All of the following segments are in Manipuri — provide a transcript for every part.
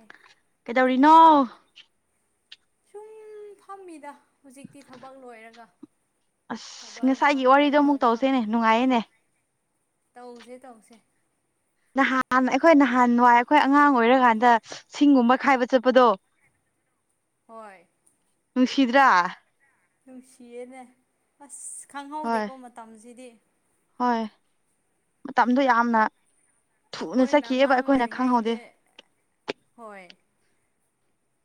ꯑꯦ ꯀꯩꯗꯧꯔꯤꯅꯣ ꯁꯨꯝ ꯐꯝꯃꯤꯗ ꯍꯧꯖꯤꯛꯇꯤ ꯊꯕꯛ ꯂꯣꯏꯔꯒ ꯑꯁ ꯊꯕꯛ ꯏꯪꯈꯥꯡ ꯉꯁꯥꯏꯒꯤ ꯋꯥꯔꯤꯗꯣ ꯂꯣꯏꯔꯒ ꯑꯃꯨꯛ ꯇꯧꯁꯦꯅꯦ ꯐꯝꯃꯤ ꯅꯨꯡꯉꯥꯏꯌꯦꯅꯦ ꯇꯧꯁꯦ ꯇꯧꯁꯦ ꯅꯍꯥꯟ ꯑꯩꯈꯣꯏ ꯅꯍꯥꯟ ꯋꯥꯏ ꯑꯩꯈꯣꯏ ꯑꯉꯥꯡ ꯑꯣꯏꯔꯀꯥꯟꯗ ꯁꯤꯡꯒꯨꯝꯕ ꯈꯥꯏꯕ ꯆꯠꯄꯗꯣ [unintelligible] ꯍꯣꯏ ꯅꯨꯡꯁꯤꯗ꯭ꯔꯥ ꯅꯨꯡꯁꯤꯌꯦꯅꯦ ꯑꯁ ꯍꯣꯏ ꯈꯪꯍꯧꯗꯦꯀꯣ ꯃꯇꯝꯁꯤꯗꯤ ꯍꯣꯏ ꯃꯇꯝꯗꯨꯣ ꯌꯥꯝꯅ ꯊꯨꯅ ꯑꯩꯈꯣꯏꯅ ꯆꯠꯈꯤꯑꯕ ꯑꯉꯥꯡ ꯑꯩꯈꯣꯏꯅ ꯈꯪꯍꯧꯗꯦ ꯑꯣꯏꯔꯤꯉꯩꯗꯤ ꯍꯣꯏ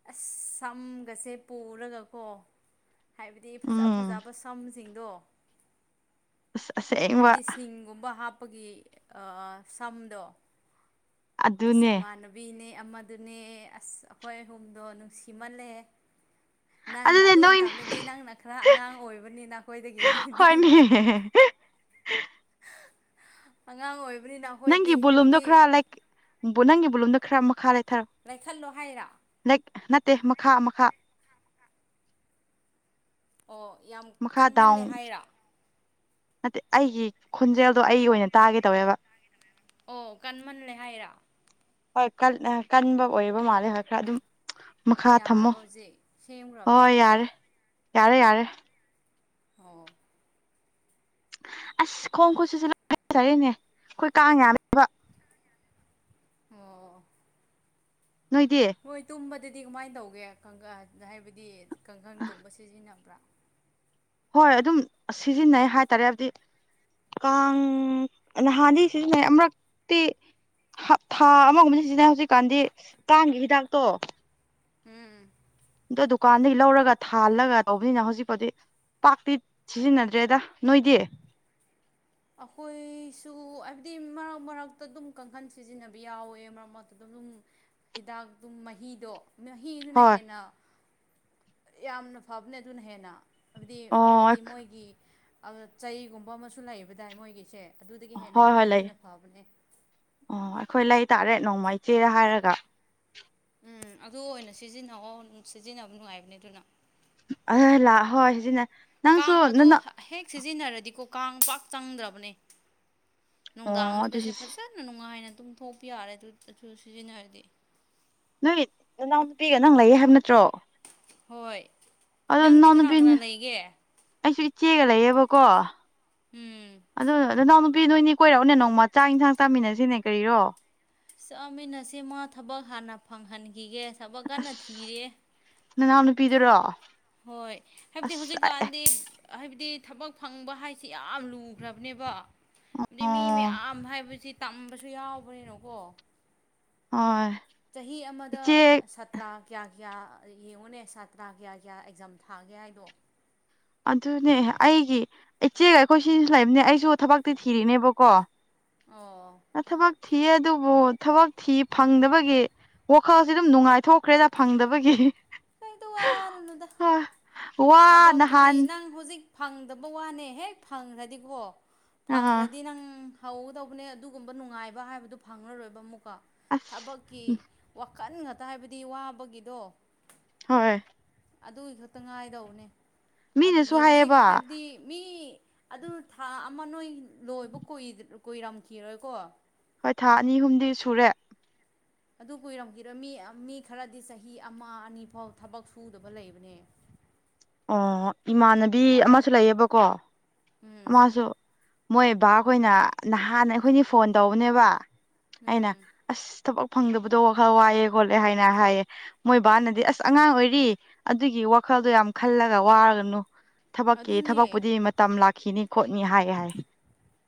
ꯑꯁ ꯁꯝꯒꯁꯦ ꯄꯨꯔꯒꯀꯣ ꯍꯥꯏꯕꯗꯤ ꯐꯖ ꯎꯝ ꯐꯖꯕ ꯁꯝꯁꯤꯡꯗꯣ ꯁꯦꯡꯕ ꯄꯒꯤ ꯁꯝꯗꯣ ꯑꯁꯤꯁ ꯑꯗꯨꯅꯦ ꯏꯃꯥꯟꯕꯤꯅꯦ ꯑꯃꯗꯨꯅꯦ ꯑꯁ ꯑꯩꯈꯣꯏ ꯑꯍꯨꯝꯗꯣ ꯅꯨꯡꯁꯤꯃꯜꯂꯦ ꯅꯪꯅ ꯑꯗꯨꯅꯦ ꯑꯗꯨ ꯅꯣꯏꯅꯦ ꯃꯇꯝꯗꯗꯤ ꯅꯪꯅ ꯈꯔ ꯑꯉꯥꯡ ꯑꯣꯏꯕꯅꯤ ꯅꯈꯣꯏꯗꯒꯤꯗꯤ [unintelligible] ꯑꯉꯥꯡ ꯑꯣꯏꯕ ꯅꯪꯒꯤ ꯕꯣꯂꯨꯝꯗꯣ ꯈꯔ ꯂꯥꯏꯛ ꯅꯪꯒꯤ ꯕꯣꯂꯨꯝꯗꯣ ꯈꯔ ꯃꯈꯥ ꯂꯩ ꯂꯩꯥꯏꯈꯠꯂꯣ ꯍꯥꯏꯔ ꯅꯠꯇꯦ ꯃꯈꯥ ꯃꯈꯥ ꯑꯣ ꯌꯥꯝ ꯃꯈꯥ ꯗꯥꯎꯟ ꯀꯟꯃꯜꯂꯦ ꯍꯥꯏꯔꯥ ꯅꯠꯇꯦ ꯑꯩꯒꯤ ꯈꯣꯟꯖꯦꯜꯗꯣ ꯑꯩ ꯑꯣꯏꯅ ꯇꯥꯒꯦ ꯇꯧꯋꯦꯕ ꯑꯣ ꯀꯟꯃꯜꯂꯦ ꯍꯥꯏꯔ ꯍꯣꯏ ꯀꯟꯕ ꯑꯣꯏꯔꯕ ꯃꯥꯜꯂꯦ ꯍꯣꯏ ꯈꯔ ꯑꯗꯨꯝ ꯃꯈꯥ ꯊꯝꯃꯣ ꯌꯥꯔꯕ ꯍꯧꯖꯤꯛ ꯁꯦꯝꯈ꯭ꯔꯕꯅꯦ ꯍꯣꯏ ꯌꯥꯔꯦ ꯌꯥꯔꯦ ꯌꯥꯔꯦ ꯑꯣ ꯑꯁ ꯈꯣꯡ ꯈꯨꯠꯆꯁꯤ ꯂꯖꯔꯤꯅꯦ ꯑꯩꯈꯣꯏ ꯀꯥꯡ ꯌꯥꯝꯅꯦꯕ ꯑꯣ ꯅꯣꯏꯗꯤ ꯍꯣꯏ ꯇꯨꯝ ꯑꯗꯨꯗꯤ ꯀꯃꯥꯏꯅ ꯇꯧꯒꯦ ꯍꯥꯏꯕꯗꯤ ꯀꯥꯡꯈꯟꯒꯨꯝꯕ ꯁꯤꯖꯤꯟꯅꯕ꯭ꯔꯥ ꯍꯣꯏ ꯑꯗꯨꯝ ꯁꯤꯖꯤꯟꯅꯩ ꯍꯥꯏꯇꯥꯔꯦ ꯍꯥꯏꯕꯗꯤ ꯀꯥꯡ ꯅꯍꯥꯟꯅꯤ ꯁꯤꯖꯤꯟꯅꯩ ꯑꯃꯨꯔꯛꯇꯤ ꯊꯥ ꯑꯃꯒꯨꯝꯕꯕꯁꯤ ꯁꯤꯖꯤꯟꯅꯩ ꯍꯧꯖꯤꯛꯀꯥꯟꯗꯤ ꯇꯥꯡꯒꯤ ꯍꯤꯗꯥꯛꯇꯣ ꯎꯝꯝ ꯑꯗ ꯗꯨꯀꯥꯟꯗꯒꯤ ꯂꯧꯔꯒ ꯊꯥꯜꯂꯒ ꯇꯧꯕꯅꯤꯅ ꯍꯧꯖꯤꯛꯐꯥꯎꯗꯤ ꯄꯥꯛꯇꯤ ꯁꯤꯖꯤꯟꯅꯗ꯭ꯔꯦꯗ ꯅꯣꯏꯗꯤ ꯑꯩꯈꯣꯏꯁꯨ ꯍꯥꯏꯕꯗꯤ ꯃꯔꯛ ꯃꯔꯛꯇ ꯑꯗꯨꯝ ꯀꯥꯡꯈꯟ ꯁꯤꯖꯤꯟꯅꯕ ꯌꯥꯎꯋꯦ ꯃꯔꯛ ꯃꯔꯛꯇ ꯑꯗꯨꯝ [unintelligible] ꯍꯤꯗꯥꯛꯇ ꯃꯍꯤꯗꯣ ꯃꯍꯤꯗꯨꯅ ꯍꯣꯏ ꯍꯦꯟꯅ ꯌꯥꯝꯅ ꯐꯕꯅꯦ ꯑꯗꯨꯅ ꯍꯦꯟꯅ ꯍꯥꯏꯕꯗꯤ ꯑꯣ ꯍꯥꯏꯕꯗꯤ ꯃꯣꯏꯒꯤ ꯆꯩꯒꯨꯝꯕ ꯑꯃꯁꯨ ꯂꯩꯕꯗꯥꯏ ꯃꯣꯏꯒꯤꯁꯦ ꯑꯗꯨꯗꯒꯤ ꯍꯣꯏ ꯍꯦꯟꯅꯗꯤ ꯍꯣꯏ ꯂꯩ ꯃꯍꯤꯅ ꯐꯕꯅꯦ ꯇꯥꯔꯦꯠ ꯅꯣꯡꯃꯥꯏ ꯆꯦ ꯍꯥꯏꯔꯒ ꯎꯝ ꯑꯗꯨ ꯑꯣꯏꯅ ꯁꯤꯖꯤꯟꯅꯑꯣ ꯁꯤꯖꯤꯟꯅꯕ ꯅꯨꯡꯉꯥꯏꯕꯅꯦ ꯑꯗꯨꯅ ꯑꯥ ꯂꯥ ꯍꯣꯏ ꯁꯤꯖꯤꯅ ꯀꯥꯡ ꯑꯗꯨ ꯍꯦꯛ ꯁꯤꯖꯤꯟꯅꯔꯗꯤꯀꯣ ꯀꯥꯡ ꯄꯥꯛ ꯆꯪꯗ꯭ꯔꯕꯅꯦ ꯑꯣ ꯑꯗꯨ ꯅꯨꯡꯗꯥꯡꯗꯒꯁꯦ ꯁꯤ ꯐꯖꯅ ꯅꯨꯡꯉꯥꯏꯅ ꯑꯗꯨꯝ ꯊꯣꯛꯄ ꯌꯥꯔꯦ ꯑꯗꯨ ꯑꯗꯨ ꯁꯤꯖꯤꯟꯅꯔꯗꯤ ꯅꯣꯏ ꯅꯅꯥꯎ ꯅꯨꯄꯤꯒ ꯅꯪ ꯂꯩꯌꯦ ꯍꯥꯏꯕ ꯅꯠꯇ꯭ꯔꯣ ꯍꯣꯏ ꯑꯗꯣ ꯅꯪꯗꯤ ꯀꯅꯥ ꯏꯅꯥꯎꯅꯨꯄꯤꯅꯤ ꯀꯅꯥ ꯂꯩꯒꯦ ꯑꯩꯁꯨ ꯏꯆꯦꯒ ꯂꯩꯌꯦꯕꯀꯣ ꯎꯝ ꯑꯗꯨ ꯑ ꯅꯅꯥꯎ ꯅꯨꯄꯤ ꯅꯣꯏꯅꯦ ꯀꯣꯏꯔꯛꯎꯅꯦ ꯅꯣꯡꯃ ꯆꯥꯛ ꯏꯟꯁꯥꯡ ꯆꯥꯃꯤꯟꯅꯁꯤꯅꯦ ꯀꯔꯤꯔꯣ ꯆꯥꯃꯤꯟꯅꯁꯤ ꯃꯥ ꯊꯕꯛ ꯍꯥꯟꯅ ꯐꯪꯍꯟꯈꯤꯒꯦ ꯊꯕꯛ ꯀꯟꯅ ꯑꯁ ꯊꯤꯔꯤꯌꯦ ꯅꯅꯥꯎ ꯅꯨꯨꯄꯤꯗꯨꯔꯣ ꯍꯣꯏ ꯍꯥꯏꯕꯗꯤ ꯍꯧꯖꯤꯛꯀꯥꯟꯗꯤ ꯍꯥꯏꯕꯗꯤ ꯊꯕꯛ ꯐꯪꯕ ꯍꯥꯏꯁꯤ ꯌꯥꯝ ꯂꯨꯈ꯭ꯔꯕꯅꯦꯕ ꯑꯗꯨ ꯃꯤ ꯑꯣ ꯃꯌꯥꯝ ꯍꯥꯏꯕꯁꯤ ꯇꯝꯕꯁꯨ ꯌꯥꯎꯕꯅꯤꯅꯀꯣ ꯍꯣꯢ ꯆꯍꯤ ꯑꯃꯗ ꯁꯥꯇ꯭ꯔꯥ ꯀꯌꯥ ꯀꯌꯥ ꯌꯦꯡꯉꯨꯅꯦ ꯁꯥꯇ꯭ꯔꯥ ꯀꯌꯥ ꯀꯌꯥ ꯑꯦꯛꯖꯥꯝ ꯊꯥꯒꯦ ꯍꯥꯏꯗꯣ ꯑꯗꯨꯅꯦ ꯑꯩꯒꯤ ꯏꯆꯦꯒ ꯑꯩꯈꯣꯏ ꯁꯤꯁꯨ ꯂꯩꯕꯅꯦ ꯑꯩꯁꯨ ꯊꯕꯛꯇꯤ ꯊꯤꯔꯤꯅꯦꯕꯀꯣ ꯑꯣ ꯊꯕꯛ ꯊꯤꯌꯦ ꯑꯗꯨꯕꯨ ꯊꯕꯛ ꯊꯤ ꯐꯪꯗꯕꯒꯤ ꯋꯥꯈꯜꯁꯦ ꯑꯗꯨꯝ ꯅꯨꯡꯉꯥꯏꯊꯣꯛꯈ꯭ꯔꯦꯗ ꯐꯪꯗꯕꯒꯤ ꯀꯩꯗ ꯋꯥꯔꯨꯅꯨꯗ ꯑ ꯋꯥ ꯅ ꯑꯗꯨꯗꯤ ꯅꯪ ꯍꯧꯖꯤꯛ ꯐꯪꯗꯕ ꯋꯥꯅꯦ ꯍꯦꯛ ꯐꯪꯈ꯭ꯔꯗꯤꯀꯣ ꯑꯥ ꯐꯪꯈ꯭ꯔꯗꯤ ꯅꯪ ꯍꯧꯒꯗꯧꯕꯅꯦ ꯑꯗꯨꯒꯨꯝꯕ ꯅꯨꯡꯉꯥꯏꯕ ꯍꯥꯏꯕꯗꯨ ꯐꯪꯂꯉꯔꯣꯏꯕ ꯑꯃꯨꯛꯀ ꯑꯁ ꯊꯕꯛꯀꯤ ꯀꯟ ꯉꯥꯛꯇ ꯍꯥꯏꯕꯗꯤ ꯋꯥꯕꯒꯤꯗꯣ ꯍꯣꯏ ꯑꯗꯨꯒꯤ ꯈꯛꯇ ꯉꯥꯏꯗꯧ ꯃꯤꯅꯁꯨ ꯑꯗꯨꯒꯤ ꯍꯧꯖꯤꯛ ꯍꯥꯏꯌꯦꯕ ꯍꯥꯏꯕꯗꯤ ꯃꯤ ꯑꯗꯨ ꯊꯥ ꯑꯃ ꯅꯣꯏ ꯂꯣꯏꯕ ꯀꯨꯏꯔꯝꯈꯤꯔꯣꯏꯀꯣ ꯍꯣꯏ ꯊꯥ ꯑꯅꯤ ꯑꯍꯨꯝꯗꯤ ꯁꯨꯔꯦ ꯑꯗꯨ ꯀꯨꯏꯔꯝꯈꯤꯔꯣꯢ ꯃꯤ ꯃꯤ ꯈꯔꯗꯤ ꯆꯍꯤ ꯑꯃ ꯑꯅꯤ ꯐꯥꯎ ꯊꯕꯛ ꯁꯨꯗꯕ ꯂꯩꯕꯅꯦ ꯑꯣ ꯏꯃꯥꯟꯅꯕꯤ ꯊꯕꯛ ꯑꯃꯁꯨ ꯂꯩꯌꯦꯕꯀꯣ ꯎꯝ ꯑꯃꯁꯨ ꯃꯣꯏ ꯕꯥꯈꯣꯏꯅ ꯅꯍꯥꯟ ꯑꯩꯈꯣꯏꯅꯤ ꯐꯣꯟ ꯇꯧꯕꯅꯦꯕ ꯑꯩꯅ ꯎꯝ ꯑꯁ ꯊꯕꯛ ꯐꯪꯗꯕꯗꯣ ꯋꯥꯈꯜ ꯋꯥꯏꯑꯦ ꯈꯣꯠꯂꯦ ꯍꯥꯏꯅ ꯍꯥꯏꯌꯦ ꯃꯣꯏ ꯕꯥꯅꯗꯤ ꯑꯁ ꯑꯉꯥꯡ ꯑꯣꯏꯔꯤ ꯑꯗꯨꯒꯤ ꯋꯥꯈꯜꯗꯣ ꯌꯥꯝ ꯈꯜꯂꯒ ꯋꯥꯔꯒꯅꯨ ꯊꯕꯛꯀꯤ ꯑꯗꯨꯅꯦ ꯊꯕꯛꯄꯨꯗꯤ ꯃꯇꯝ ꯂꯥꯛꯈꯤꯅꯤ ꯈꯣꯠꯅꯤ ꯍꯥꯏ ꯍꯥꯏ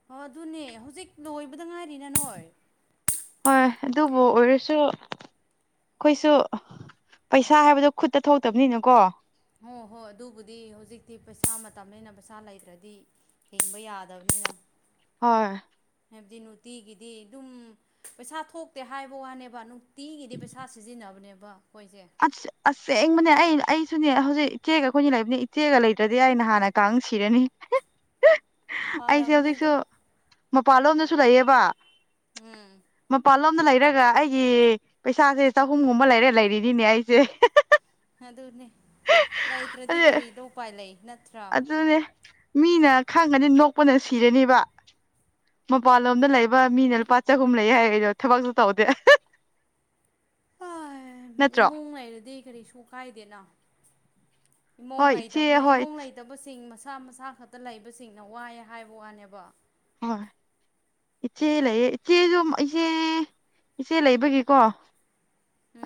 ꯑꯣ ꯑꯗꯨꯅꯦ ꯍꯧꯖꯤꯛ ꯂꯣꯏꯕꯗ ꯉꯥꯏꯔꯤꯅ ꯅꯣꯏ ꯍꯣꯏ ꯑꯗꯨꯕꯨ ꯑꯣꯏꯔꯁꯨ ꯑꯩꯈꯣꯏꯁꯨ ꯄꯩꯁꯥ ꯍꯥꯏꯕꯗꯣ ꯈꯨꯠꯇ ꯊꯣꯛꯇꯕꯅꯤꯅꯀꯣ ꯍꯣꯏ ꯍꯣꯏ ꯑꯗꯨꯕꯨꯗꯤ ꯍꯧꯖꯤꯛꯇꯤ ꯄꯩꯁꯥ ꯃꯇꯝꯅꯤꯅ ꯄꯩꯁꯥ ꯂꯩꯇ꯭ꯔꯗꯤ ꯍꯤꯡꯕ ꯌꯥꯗꯕꯅꯤ ꯀꯌꯥ [inaudible] ꯍꯣꯏ ꯍꯥꯏꯕꯗꯤ ꯅꯨꯡꯇꯤꯒꯤꯗꯤ ꯑꯗꯨꯝ ꯄꯩꯁꯥ ꯊꯣꯛꯇꯦ ꯍꯥꯏꯕ ꯋꯥꯅꯦꯕ ꯅꯨꯡꯇꯤꯒꯤꯗꯤ ꯄꯩꯁꯥ ꯁꯤꯖꯤꯟꯅꯕꯅꯦꯕ ꯑꯩꯈꯣꯏꯁꯦ ꯑꯁ ꯑꯁꯦꯡꯕꯅꯦ ꯑꯩ ꯑꯩꯁꯨꯅꯦ ꯍꯧꯖꯤꯛ ꯏꯆꯦꯒ ꯑꯩꯈꯣꯏꯅ ꯂꯩꯕꯅꯤ ꯏꯆꯦꯒ ꯂꯩꯇ꯭ꯔꯗꯤ ꯑꯩ ꯅꯍꯥꯟꯅ ꯀꯥꯡꯑ ꯁꯤꯔꯅꯤ ꯑꯩꯁꯦ ꯐꯥꯔꯕꯅꯦꯗꯣ ꯍꯧꯖꯤꯛꯁꯨ ꯃꯄꯥꯟꯂꯣꯝꯗꯁꯨ ꯂꯩꯌꯦꯕ ꯎꯝ ꯁꯣꯝꯅ ꯂꯩꯔꯒ ꯑꯩꯒꯤ ꯄꯩꯁꯥꯁꯦ ꯆꯍꯨꯝꯒꯨꯝꯕ ꯂꯩꯔ ꯂꯩꯔꯤꯅꯤꯅꯦ ꯑꯩꯁꯦ ꯑꯗꯨꯅꯦ ꯂꯩꯇ꯭ꯔꯗꯤ ꯀꯔꯤꯗ ꯎꯄꯥꯏ ꯂꯩ ꯅꯠꯇ꯭ꯔꯥ ꯑꯗꯨꯅꯦ ꯃꯤꯅ ꯈꯪꯉꯥꯗꯤ ꯅꯣꯛꯄꯅ ꯁꯤꯔꯅꯦꯕ ꯃꯄꯥꯟꯂꯣꯝꯗ ꯂꯩꯕ ꯃꯤꯅ ꯂꯨꯄꯥ ꯆꯍꯨꯝ ꯂꯩ ꯍꯥꯏꯗꯣ ꯊꯕꯛꯁꯨ ꯇꯧꯗꯦ [unintelligible] ꯅꯠꯇ꯭ꯔꯣ ꯏꯃꯨꯡ ꯂꯩꯔꯗꯤ ꯀꯔꯤꯁꯨ ꯀꯥꯏꯗꯦꯅ ꯏꯃꯣꯡ ꯍꯣꯏ ꯏꯆꯦ ꯂꯩꯇꯕꯅꯤꯅ ꯍꯣꯏ ꯏꯃꯨꯡ ꯂꯩꯇꯕꯁꯤꯡ ꯃꯁꯥ ꯃꯁꯥ ꯈꯛꯇ ꯂꯩꯕꯁꯤꯡꯅ ꯋꯥꯏꯑꯦ ꯍꯥꯏꯕ ꯋꯥꯅꯦꯕ ꯍꯣꯏ ꯏꯆꯦ ꯂꯩꯌꯦ ꯏꯆꯦꯁꯨ ꯏꯆꯦ ꯏꯆꯦ ꯂꯩꯕꯒꯤꯀꯣ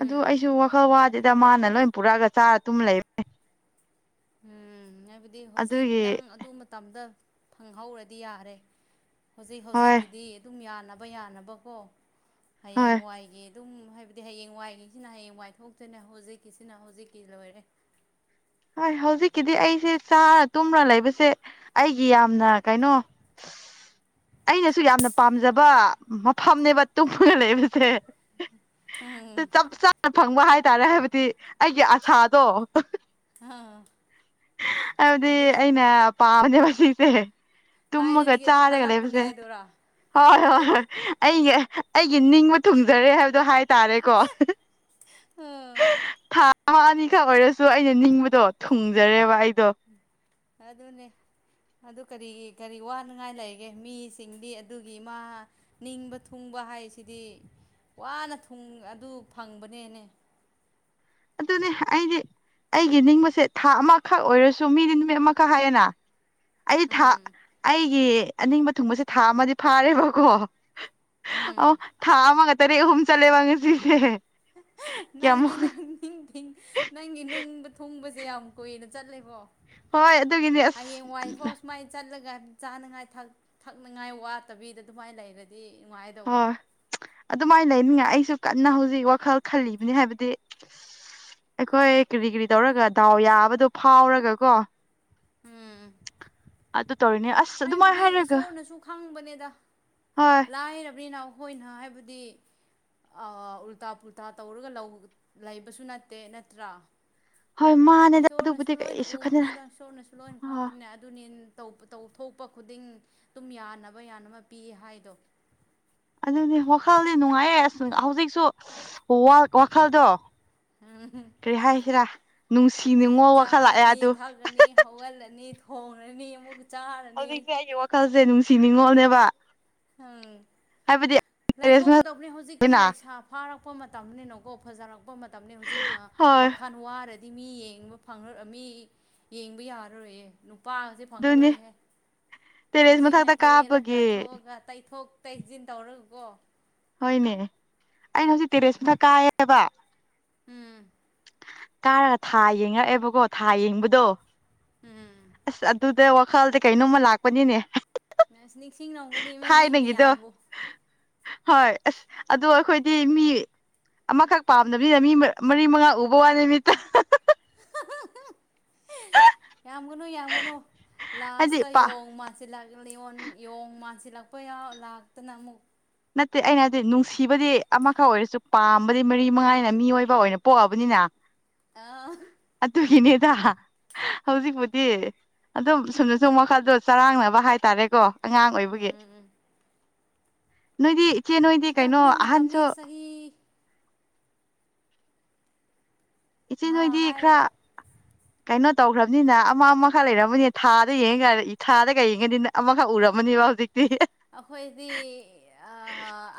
ꯑꯗꯨ ꯑꯩꯁꯨ ꯋꯥꯈꯜ ꯋꯥꯗꯦꯗ ꯃꯥꯅ ꯂꯣꯏ ꯄꯨꯔꯛꯑꯒ ꯆꯥꯔ ꯇꯨꯝ ꯂꯩꯕꯦ ꯎꯝ ꯍꯥꯏꯕꯗꯤ ꯍꯧꯖꯤꯛ ꯑꯗꯨꯒꯤ ꯅꯪ ꯑꯗꯨ ꯃꯇꯝꯗ ꯐꯪꯍꯧꯔꯗꯤ ꯌꯥꯔꯦ ꯍꯧꯖꯤꯛ ꯍꯣꯏ ꯍꯧꯖꯤꯛꯀꯤꯗꯤ ꯑꯗꯨꯝ ꯌꯥ ꯁꯥꯟꯅꯕ ꯌꯥꯅꯕꯀꯣ ꯍꯣꯏ ꯍꯌꯦꯡꯋꯥꯋꯥꯏꯒꯤ ꯑꯗꯨꯝ ꯍꯥꯏꯕꯗꯤ ꯍꯌꯦꯡ ꯋꯥꯏꯒꯤꯁꯤꯅ ꯍꯌꯦꯡ ꯋꯥꯏꯊꯣꯛꯇꯣꯏꯅꯦ ꯍꯧꯖꯤꯛꯀꯤꯁꯤꯅ ꯍꯧꯖꯤꯛꯀꯤ ꯂꯣꯏꯔꯦ ꯍꯣꯏ ꯍꯧꯖꯤꯛꯀꯤꯗꯤ ꯑꯩꯁꯦ ꯆꯥꯔ ꯇꯨꯝꯔ ꯂꯩꯕꯁꯦ ꯑꯩꯒꯤ ꯌꯥꯝꯅ ꯀꯩꯅꯣ [unintelligible] ꯑꯩꯅꯁꯨ ꯌꯥꯝꯅ ꯄꯥꯝꯖꯕ ꯃꯐꯝꯅꯦꯕ ꯇꯨꯡꯄꯅ ꯂꯩꯕꯁꯦ ꯎꯝ ꯆꯞ ꯆꯥꯅ ꯐꯪꯕ ꯍꯥꯏꯇꯥꯔꯦ ꯍꯥꯏꯕꯗꯤ ꯑꯩꯒꯤ ꯑꯁꯥꯗꯣ ꯍꯥꯥ ꯍꯥꯏꯕꯗꯤ ꯑꯩꯅ ꯄꯥꯝꯅꯦꯕ ꯁꯤꯁꯦ ꯇꯨꯝꯃꯒ ꯊꯥꯏꯅꯗꯒꯤ ꯑꯗꯨ ꯆꯥꯔꯒ ꯈꯜꯂꯛꯄꯅꯦ ꯂꯩꯕꯁꯦ ꯍꯥꯏꯗꯨꯔꯥ ꯍꯣꯏ ꯍꯣꯏ ꯍꯣꯏ ꯑꯩꯒꯤ ꯑꯩꯒꯤ ꯅꯤꯡꯕ ꯊꯨꯡꯖꯔꯦ ꯍꯥꯏꯕꯗꯣ ꯍꯥꯏꯇꯥꯔꯦꯀꯣ ꯑꯥ ꯑꯃ ꯑꯅꯤꯈꯛ ꯑꯣꯏꯔꯁꯨ ꯑꯩꯅ ꯅꯤꯡꯕꯗꯣ ꯊꯨꯡꯖꯔꯦꯕ ꯑꯩꯗꯣ ꯑꯗꯨꯅꯦ ꯑꯗꯨ ꯀꯔꯤ ꯀꯔꯤ ꯋꯥꯅꯤꯡꯉꯥꯏ ꯂꯩꯒꯦ ꯃꯤꯁꯤꯡꯗꯤ ꯑꯗꯨꯒꯤ ꯏꯃꯥ ꯅꯤꯡꯕ ꯊꯨꯡꯕ ꯍꯥꯏꯁꯤꯗꯤ ꯋꯥꯅ ꯑꯗꯨ ꯐꯪꯕꯅꯦꯅꯦ ꯑꯗꯨꯅꯦ ꯑꯩꯗꯤ ꯑꯩꯒꯤ ꯅꯤꯡꯕꯁꯦ ꯊꯥ ꯑꯃꯈꯛ ꯑꯣꯏꯔꯁꯨ ꯃꯤꯗꯤ ꯅꯨꯃꯤꯠ ꯑꯃꯈꯛ ꯍꯥꯏꯌꯦꯅ ꯑꯩ ꯊꯥ ꯎꯝ ꯑꯩꯒꯤ ꯑꯅꯤꯡꯕ ꯊꯨꯡꯕꯁꯦ ꯊꯥ ꯑꯃꯗꯤ ꯐꯥꯔꯦꯕꯀꯣ ꯎꯝ ꯑꯣ ꯊꯥ ꯑꯃꯒ ꯇꯔꯦꯠ ꯑꯍꯨꯝ ꯆꯠꯂꯦꯕ ꯉꯁꯤꯁꯦ ꯀꯌꯥꯃꯨꯛ ꯅꯪꯅꯤ ꯅꯪꯅꯤ ꯅꯪꯒꯤ ꯅꯨꯡꯕ ꯊꯣꯡꯕꯁꯦ ꯌꯥꯝ ꯀꯨꯏꯅ ꯆꯠꯂꯦꯕꯣ ꯍꯣꯏ ꯑꯗꯨꯒꯤꯅꯦ ꯑꯁ ꯁꯨꯃꯥꯏꯅ ꯆꯠꯂꯒ ꯆꯥꯅꯉꯥꯏ ꯊꯛꯅꯉꯥꯏ ꯋꯥꯠꯇꯕꯤꯗ ꯑꯗꯨꯃꯥꯏꯅ ꯂꯩꯔꯗꯤ ꯅꯨꯡꯉꯥꯏꯗꯧꯕ ꯍꯣꯏ ꯑꯗꯨꯃꯥꯏꯅ ꯂꯩꯅꯤꯡꯉ ꯑꯩꯁꯨ ꯀꯟꯅ ꯍꯧꯖꯤꯛ ꯋꯥꯈꯜ ꯈꯜꯂꯤꯕꯅꯤ ꯍꯥꯏꯕꯗꯤ ꯑꯩꯈꯣꯏ ꯀꯔꯤ ꯀꯔꯤ ꯇꯧꯔꯒ ꯗꯥꯎ ꯌꯥꯕꯗꯣ ꯐꯥꯎꯔꯒ ꯀꯣ ꯎꯝ ꯑꯗꯨ ꯇꯧꯔꯤꯅꯦ ꯑꯁ ꯑꯗꯨꯃꯥꯏꯅ ꯍꯥꯏꯕꯗꯤ ꯍꯥꯏꯔꯒ ꯏꯁꯣꯔꯅꯁꯨ ꯈꯪꯕꯅꯦꯗ ꯍꯣꯏ ꯂꯥꯏꯔꯕꯅꯤ ꯅꯥꯎ ꯑꯩꯈꯣꯏꯅ ꯍꯥꯏꯕꯗꯤ ꯎꯜꯇꯥ ꯄꯨꯜꯇꯥ ꯇꯧꯔꯒ ꯂꯩꯕꯁꯨ ꯅꯠꯇꯦ ꯅꯠꯇ꯭ꯔꯥ ꯍꯣꯏ ꯃꯥꯅꯦꯗ ꯏꯁꯣꯔꯅꯁꯨ ꯑꯗꯨꯕꯨꯗꯤ ꯂꯣꯏꯅ ꯀꯩꯁꯨ ꯈꯟꯅ ꯎꯕꯅꯤꯗ ꯏꯁꯣꯔꯅꯁꯨ ꯂꯣꯏꯅ ꯑ ꯈꯪꯕꯅꯤ ꯑꯗꯨꯅꯤ ꯇꯧꯕ ꯇꯧꯊ ꯊꯣꯛꯄ ꯈꯨꯗꯤꯡ ꯑꯗꯨꯝ ꯌꯥꯅꯕ ꯌꯥꯅꯕ ꯄꯤ ꯍꯥꯏꯗꯣ ꯑꯗꯨ ꯋꯥꯈꯜꯗꯤ ꯅꯨꯡꯉꯥꯏꯌꯦꯦ ꯑꯁ ꯍꯧꯖꯤꯛꯁꯨ ꯋꯥꯈꯜꯗꯣ ꯀꯔꯤ ꯍꯥꯏꯁꯤꯔꯥꯅꯨꯡ ꯆꯥꯔꯅꯤ ꯊꯛꯑꯅꯤ ꯍꯧꯒꯠꯂꯅꯤ ꯊꯣꯡꯡꯂꯅꯤ ꯑꯃꯨꯛ ꯆꯥꯔꯅꯤ ꯍꯧꯖꯤꯛꯁꯦ ꯑꯩꯒꯤ ꯋꯥꯈꯜꯁꯦ ꯅꯨꯡꯁꯤ ꯅꯤꯉꯣꯜꯅꯦꯕ ꯎꯝ ꯍꯥꯏꯕꯗꯤ ꯇꯦꯔꯦꯁꯅ ꯂꯩꯊꯣꯛꯀꯗꯕꯅꯦ ꯍꯧꯖꯤꯛꯇꯤ ꯂꯩꯁꯥ ꯐꯥꯔꯛꯄ ꯃꯇꯝꯅꯤꯅꯀꯣ ꯐꯖꯔꯛꯄ ꯃꯇꯝꯅꯤ ꯍꯧꯖꯤꯛꯅ ꯍꯣꯏ ꯋꯥꯈꯜ ꯋꯥꯔꯗꯤ ꯗꯤ ꯃꯤ ꯌꯦꯡꯕ ꯐ ꯃꯤ ꯌꯦꯡꯕ ꯌꯥꯔꯔꯣꯏꯌꯦ ꯄꯥꯁ ꯑꯗꯨꯅꯤ ꯐꯪꯉꯔꯣꯏꯍꯦ ꯇꯦꯔꯦꯁ ꯍꯧꯖꯤꯛꯅ ꯃꯊꯛꯇ ꯀꯦꯔꯒ ꯀꯥꯞꯄꯒꯤ ꯊꯣꯛꯑꯒ ꯇꯩꯊꯣꯛ ꯇꯩꯖꯤꯟ ꯇꯧꯔꯒ ꯀꯣ ꯍꯣꯏꯅꯦ ꯑꯩꯅ ꯍꯧꯖꯤꯛ ꯇꯦꯔꯦꯁ ꯃꯊ ꯀꯥꯏꯌꯦꯕ ꯎꯝ ꯀꯥꯔꯒ ꯊꯥ ꯌꯦꯡꯉꯛꯑꯦꯕꯀꯣ ꯊꯥ ꯌꯦꯡꯕꯗꯣ ꯎꯝ ꯑꯁ ꯑꯗꯨꯗ ꯈꯜꯗꯤ ꯀꯩꯅꯣꯝꯃ ꯂꯥꯛꯄꯅꯤꯅꯦ ꯅꯁ ꯅꯤꯡꯁꯤꯡꯉꯝꯒꯅꯤ ꯃꯤ ꯃꯤ ꯊꯥꯏꯅꯒꯤꯗꯣ ꯃꯌꯥꯝꯕꯨ ꯍꯣꯏ ꯑꯁ ꯑꯗꯨ ꯑꯩꯈꯣꯏꯗꯤ ꯃꯤ ꯑꯃꯈꯛ ꯄꯥꯝꯗꯕꯤꯅ ꯃꯤ ꯃꯔꯤ ꯃꯉꯥ ꯎꯕ ꯋꯥ ꯅꯨ ꯃꯤꯠꯇ ꯑ ꯌꯥꯝꯒꯅꯨ ꯌꯥꯝꯒꯅꯨ ꯍꯥꯏꯗꯤ ꯂꯥꯁꯇ ꯄꯥ ꯌꯦꯡꯉ ꯃꯥꯥꯟꯁꯤꯂꯣꯡ ꯃꯥꯁꯤꯂ ꯄ ꯌꯥꯎ ꯂꯥꯛꯇꯅ ꯑꯃꯨꯛ ꯅꯠꯇꯦ ꯑꯩꯅꯗꯤ ꯅꯨꯡꯁꯤꯕꯗꯤ ꯑꯃꯈꯛ ꯑꯣꯏꯔꯁꯨ ꯄꯥꯝꯕꯗꯤ ꯃꯔꯤ ꯃꯉꯥꯏꯅ ꯃꯤꯑꯣꯏꯕ ꯑꯣꯏꯅ ꯄꯣꯛꯑꯕꯅꯤꯅ ꯑ ꯎꯝ ꯑꯗꯨꯒꯤꯅꯦꯗ ꯍꯧꯖꯤꯛꯄꯨꯗꯤ ꯑꯗꯨꯝ ꯁꯨꯝꯗ ꯁꯨꯝꯕ ꯋꯥꯜꯗꯣ ꯆꯔꯥꯡꯅꯕ ꯍꯥꯏꯇꯥꯔꯦꯀꯣ ꯑꯉꯥꯡ ꯑꯣꯏꯕꯒꯤ ꯎꯝ ꯅꯣꯏꯗꯤ ꯏꯆꯦ ꯅꯣꯏꯗꯤ ꯀꯩꯅꯣ ꯃꯇꯝꯅꯦ ꯃꯅꯦ ꯑꯍꯟꯁꯨ ꯁꯍꯤ ꯏꯆꯦ ꯍꯥ ꯅꯣꯏꯗꯤ ꯈꯔ ꯍꯥꯏꯌꯣ ꯀꯩꯅꯣ ꯇꯧꯈ꯭ꯔꯕꯅꯤꯅ ꯑꯃ ꯑꯃꯈꯛ ꯂꯩꯔꯝꯃꯅꯤꯅ ꯊꯥꯗ ꯌꯦꯡꯉ ꯊꯥꯗ ꯀꯩ ꯌꯦꯡꯉꯅꯤꯅ ꯑꯃꯈꯛ ꯎꯔꯝꯃꯅꯤꯕ ꯇꯦ ꯑꯩꯈꯣꯏꯗꯤ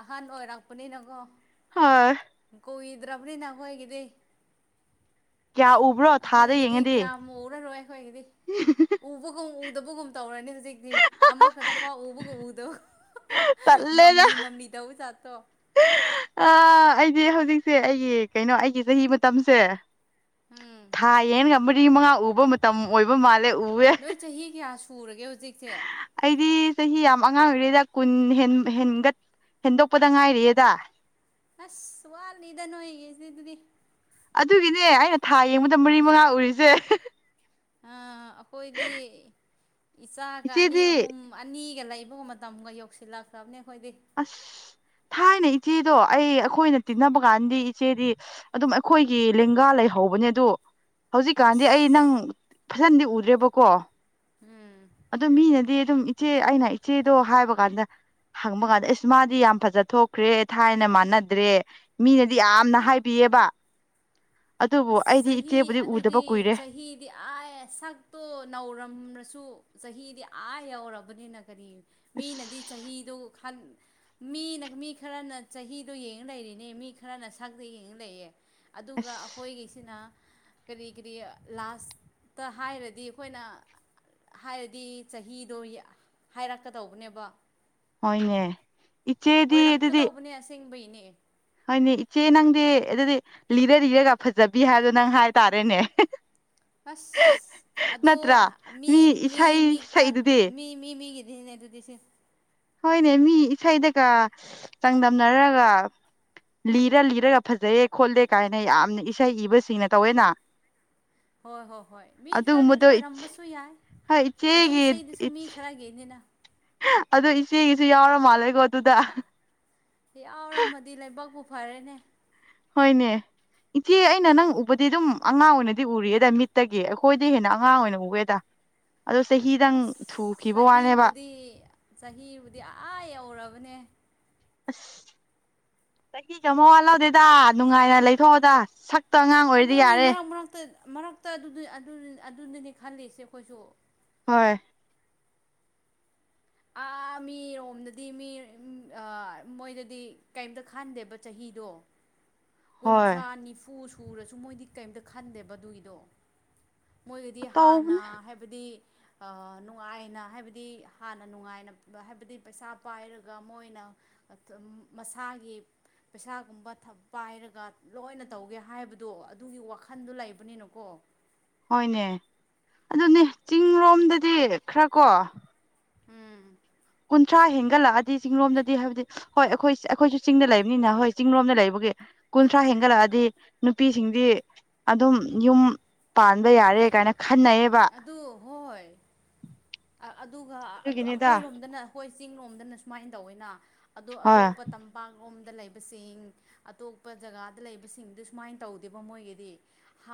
ꯑꯍꯟ ꯑꯣꯏꯔꯛꯄꯅꯤꯅꯀꯣ ꯍ ꯀꯨꯗ꯭ꯔꯕꯅꯤ ꯅꯅꯥꯈ ꯑꯣꯏꯒꯗ ꯀꯌꯥ ꯎꯕ꯭ꯔꯣ ꯊꯥꯗ ꯑꯩꯈꯣꯏꯒꯤꯗꯤ ꯌꯦꯡꯉꯗꯤ ꯀꯌꯥꯝ ꯃꯛꯔꯔꯣꯏ ꯑꯩꯈꯣꯏꯒꯤꯗꯤ ꯎꯕꯒꯨꯝ ꯎꯗꯕꯒꯨꯝ ꯇꯧꯔꯅꯤ ꯍꯧꯖꯤꯛꯇꯤ ꯑꯃꯈꯛꯇ ꯄꯥꯎ ꯎꯕꯒꯨꯝ ꯎꯗꯧ ꯃꯝꯅꯤ ꯃꯝꯅꯤꯗꯧ ꯁꯥ ꯑ ꯑꯩꯗꯤ ꯍꯧꯖꯤꯛꯁꯦ ꯑꯩꯒꯤ ꯀꯩꯅꯣ ꯑꯩꯒꯤ ꯆꯍꯤ ꯃꯇꯝꯁꯦ ꯎꯝ ꯊꯥ ꯌꯦꯟꯒ ꯃꯔꯤ ꯃꯉꯥ ꯎꯕ ꯃꯇꯝ ꯑꯣꯏꯕ ꯃꯥꯜꯂꯦ ꯎꯑꯦ ꯅꯣꯏ ꯆꯍꯤ ꯀꯌꯥ ꯁꯨꯔꯒꯦ ꯍꯧꯖꯤꯛꯁꯦ ꯑꯩꯗꯤ ꯆꯍꯤ ꯌꯥꯝ ꯑꯉꯥꯡ ꯑꯣꯏꯔꯦꯗ ꯀꯨꯟ ꯍꯦꯟꯒꯠ ꯍꯦꯟꯗꯣꯛꯄꯗ ꯉꯥꯏꯔꯤꯑꯦꯗ ꯑꯁ ꯋꯥꯠꯂꯤꯗ ꯅ ꯑꯣꯏꯒꯦꯁꯤ ꯑꯗꯨꯗꯤ ꯑꯗꯨꯒꯤꯅꯦ ꯑꯩꯅ ꯊꯥ ꯌꯦꯡꯕꯗ ꯃꯔꯤ ꯃꯉꯥ ꯎꯔꯤꯁꯦ ꯑꯩꯈꯣꯏꯗꯤ ꯏꯆꯥꯒ ꯑꯅꯤ ꯏꯆꯦꯗꯤ ꯑꯍꯨꯝ ꯑꯅꯤꯒ ꯂꯩꯕ ꯏꯕ ꯃꯇꯝꯒ ꯌꯧꯁꯤꯜꯂꯛꯈ꯭ꯔꯕꯅꯤ ꯑꯁ ꯊꯥꯏ ꯅ ꯏꯆꯦꯗꯣ ꯑꯩ ꯑꯩꯈꯣꯏꯅ ꯇꯤꯟꯅꯕ ꯀꯥꯟꯗꯤ ꯏꯆꯦꯗꯤ ꯑꯗꯨꯝ ꯑꯩꯈꯣꯏꯒꯤ ꯂꯦꯡꯒꯥ ꯂꯩꯍꯧꯕꯅꯦ ꯑꯗꯣ ꯍꯧꯖꯤꯛꯀꯥꯟꯗꯤ ꯑꯁ ꯑꯩ ꯅꯪ ꯐꯖꯅꯗꯤ ꯎꯗ꯭ꯔꯦꯕꯀꯣ ꯎꯝ ꯑꯗꯨ ꯃꯤꯅꯗꯤ ꯑꯗꯨꯝ ꯏꯆꯦ ꯑꯩꯅ ꯏꯆꯦꯗꯣ ꯍꯥꯏꯕ ꯀꯥꯟꯗ ꯍꯪꯕ ꯀꯥꯟꯗ ꯑꯦꯁ ꯃꯥꯗꯤ ꯌꯥꯝ ꯐꯖ ꯊꯣꯛꯈ꯭ꯔꯦ ꯊꯥꯏꯅ ꯃꯥꯟꯅꯗ꯭ꯔꯦ ꯃꯤꯅꯗꯤ ꯌꯥꯝꯅ ꯍꯥꯏꯕꯤꯌꯦꯕ [inaudible] ꯑꯁ ꯑꯩꯗꯤ ꯆꯍꯤ ꯏꯆꯦꯕꯨꯗꯤ ꯎꯗꯕ ꯑꯗꯨꯗꯤ ꯀꯨꯏꯔꯦ ꯆꯍꯤꯗꯤ ꯑꯥ ꯁꯛꯇꯣ ꯅꯧꯔꯝꯔꯁꯨ ꯆꯍꯤꯗꯤ ꯑꯥ ꯌꯧꯔꯕꯅꯤꯅ ꯀꯔꯤ ꯃꯤꯅꯗꯤ ꯑꯁ ꯆꯍꯤꯗꯣ ꯃꯤꯅ ꯃꯤ ꯈꯔꯅ ꯆꯍꯤꯗꯣ ꯌꯦꯡꯉ ꯂꯩꯔꯤꯅꯦ ꯃꯤ ꯈꯔꯅ ꯁꯛꯛꯇ ꯌꯦꯡꯉ ꯂꯩꯌꯦ ꯑꯗꯨꯒ ꯑꯁ ꯑꯩ ꯁꯤꯅ ꯀꯔꯤ ꯀꯔꯤ ꯂꯥꯁꯇ ꯍꯥꯏꯔꯗꯤ ꯑꯩꯈꯣꯏꯅ ꯍꯥꯏꯔꯗꯤ ꯆꯍꯤꯗꯣ ꯍꯥꯏꯔꯛꯀꯗꯧꯕꯅꯦꯕ ꯍꯣꯏꯅꯦ ꯏꯆꯦꯗꯤ ꯑꯗꯨꯗꯤ ꯑꯣꯏꯔꯛꯀꯗꯧꯕꯅꯦ ꯑꯁꯦꯡꯕꯩꯅꯦ ꯍꯣꯏꯅꯦ ꯏꯆꯦ ꯅꯪꯗꯤ ꯑꯗꯨꯗꯤ ꯂꯤꯔ ꯂꯤꯔꯒ ꯐꯖꯕꯤ ꯍꯥꯏꯕꯗꯣ ꯅꯪ ꯍꯥꯏꯇꯥꯔꯦꯅꯦ ꯑꯁ ꯑꯗꯨ ꯅꯠꯇ꯭ꯔꯥ ꯃꯤ ꯃꯤ ꯏꯁꯩ ꯃꯤꯛꯇ ꯁꯛꯏꯗꯨꯗꯤ ꯃꯤ ꯃꯤ ꯃꯤꯒꯤ ꯅꯦ ꯑꯗꯨꯗꯁꯦ ꯍꯣꯏꯅꯦ ꯃꯤ ꯏꯁꯩꯗꯒ ꯆꯥꯡꯗꯝꯅꯔꯒ ꯂꯤꯔ ꯂꯤꯔꯒ ꯐꯖꯩꯦ ꯈꯣꯠꯂꯦ ꯀꯥꯏꯅ ꯌꯥꯝꯅ ꯏꯁꯩ ꯏꯕꯁꯤꯡꯅ ꯇꯧꯋꯦꯅ ꯍꯣꯏ ꯍꯣꯏ ꯍꯣꯏ ꯃꯤ ꯑꯗꯨꯒꯨꯝꯕꯗꯣ ꯈꯔꯒꯤꯗꯤ ꯑꯣꯏꯔꯝꯕꯁꯨ ꯌꯥꯏ ꯍꯣꯏ ꯑꯗꯨ ꯏꯁꯩꯗꯨꯁꯨ ꯃꯤ ꯈꯔꯒꯤꯅꯤꯅ ꯑꯗꯨ ꯏꯆꯦꯒꯤꯁꯨ ꯌꯥꯎꯔ ꯃꯥꯜꯂꯦꯀꯣ ꯑꯗꯨꯗ ꯌꯥꯎꯔꯝꯃꯗꯤ ꯂꯥꯏꯕꯥꯛꯄꯨ ꯐꯔꯦꯅꯦ ꯍꯣꯏꯅꯦ ꯏꯆꯦ ꯑꯩꯅ ꯅꯪ ꯎꯕꯗꯤ ꯑꯗꯨꯝ ꯑꯉꯥꯡ ꯑꯣꯏꯅꯗꯤ ꯎꯔꯤꯌꯦꯗ ꯃꯤꯠꯇꯒꯤ ꯑꯩꯈꯣꯏꯗꯤ ꯍꯦꯟꯅ ꯑꯉꯥꯡ ꯑꯣꯏꯅ ꯎꯑꯦꯗ [inaudible] ꯆꯍꯤꯗꯪ ꯑꯁ ꯊꯨꯈꯤꯕ ꯋꯥꯅꯦꯕ ꯆꯍꯤꯕꯨꯗꯤ ꯆꯍꯤꯕꯨꯗꯤ ꯑꯥ ꯌꯧꯔꯕꯅꯦ ꯑꯁ ꯆꯍꯤ ꯀ ꯑꯃ ꯋꯥꯠꯍꯧꯗꯦꯗ ꯅꯨꯡꯉꯥꯏꯅ ꯂꯩꯊꯣꯛꯑꯣꯗ ꯁꯛ ꯛꯇ ꯑꯉꯥꯡ ꯑꯣꯏꯔꯗꯤ ꯑꯗꯨꯅꯤ ꯌꯥꯔꯦ ꯃꯔꯛ ꯃꯔꯛꯇ ꯃꯔꯛꯇ ꯑꯗꯨ ꯑꯗꯨꯅꯅꯤ ꯈꯜꯂꯤꯁꯦ ꯑꯩꯈꯣꯏꯁꯨ ꯍꯣꯏ [unintelligible] ꯑꯥ ꯃꯤꯔꯣꯝꯗꯗꯤ ꯃꯤ ꯃꯣꯏꯗꯗꯤ ꯀꯩꯝꯇ ꯈꯟꯗꯦꯕ ꯆꯍꯤꯗꯣ ꯍꯣꯏ ꯀꯨꯟꯊ꯭ꯔꯥ ꯅꯤꯐꯨ ꯁꯨꯔꯁꯨ ꯃꯣꯏꯗꯤ ꯀꯔꯤꯝꯇ ꯈꯟꯗꯦꯕ ꯑꯗꯨꯒꯤꯗꯣ ꯃꯣꯏꯗꯗꯤ ꯍꯥꯟꯅ ꯇꯧꯕꯅꯦ ꯍꯥꯏꯕꯗꯤ ꯅꯨꯡꯉꯥꯏꯅ ꯍꯥꯏꯕꯗꯤ ꯍꯥꯟꯅ ꯅꯨꯡꯉꯥꯏ ꯍꯥꯏꯕꯗꯤ ꯄꯩꯁꯥ ꯄꯥꯏꯔꯒ ꯃꯣꯏꯅ ꯃꯁꯥꯒꯤ ꯄꯩꯁꯥꯒꯨꯝꯕ ꯄꯥꯏꯔꯒ ꯂꯣꯏꯅ ꯇꯧꯒꯦ ꯍꯥꯏꯕꯗꯣ ꯑꯗꯨꯒꯤ ꯋꯥꯈꯟꯗꯣ ꯂꯩꯕꯅꯤꯅꯀꯣ ꯍꯣꯏꯅꯦ ꯑꯗꯨꯅꯦ ꯆꯤꯡꯔꯣꯝꯗꯗꯤ ꯈꯔ ꯀꯣ ꯎꯝ ꯀꯨꯟꯊ꯭ꯔꯥ ꯍꯦꯟꯒꯠꯂꯛꯑꯗꯤ ꯆꯤꯡꯂꯣꯝꯗꯗꯤ ꯍꯥꯏꯕꯗꯤ ꯍꯣꯏ ꯑꯩꯈꯣꯏ ꯑꯩꯈꯣꯏꯁꯨ ꯆꯤꯡꯗ ꯂꯩꯕꯅꯤꯅ ꯍꯣꯏ ꯆꯤꯡꯂꯣꯝꯗ ꯂꯩꯕꯒꯤ ꯀꯨꯟꯊ꯭ꯔꯥ ꯍꯦꯟꯒꯠꯂꯛꯑꯗꯤ ꯅꯨꯄꯤꯁꯤꯡꯗꯤ ꯑꯗꯨꯝ ꯌꯨꯝ ꯄꯥꯟꯕ ꯌꯥꯔꯦ ꯀꯥꯏꯅ ꯈꯟꯅꯩꯌꯦꯕ ꯑꯗꯨ ꯍꯣꯏ ꯑꯗꯨꯒ ꯑꯗꯨ ꯑꯗꯨꯒꯤꯅꯤꯗ ꯑꯩꯈꯣꯏꯔꯣꯝꯗꯅ ꯑꯩꯈꯣꯏ ꯆꯤꯡꯂꯣꯝꯗꯅ ꯁꯨꯃꯥꯏꯅ ꯇꯧꯋꯤꯅ ꯑꯗꯣ ꯍꯣꯏ ꯑꯇꯣꯞꯄ ꯇꯝꯄꯥꯛ ꯔꯣꯝꯗ ꯂꯩꯕꯁꯤꯡ ꯑꯇꯣꯞꯄ ꯖꯒꯥꯗ ꯂꯩꯕꯁꯤꯡꯗꯨ ꯁꯨꯃꯥꯏꯅ ꯇꯧꯗꯦꯕ ꯃꯣꯏꯒꯤꯗꯤ